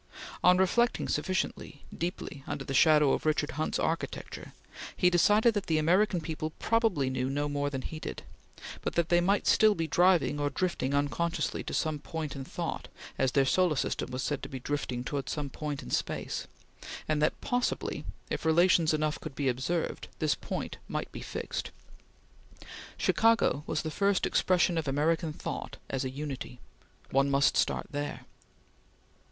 On reflecting sufficiently deeply, under the shadow of Richard Hunt's architecture, he decided that the American people probably knew no more than he did; but that they might still be driving or drifting unconsciously to some point in thought, as their solar system was said to be drifting towards some point in space; and that, possibly, if relations enough could be observed, this point might be fixed. Chicago was the first expression of American thought as a unity; one must start there.